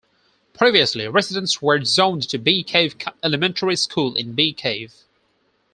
Previously residents were zoned to Bee Cave Elementary School in Bee Cave.